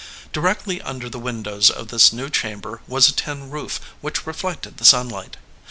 Directly under the windows of this new chamber was a tin roof which reflected the sunlight.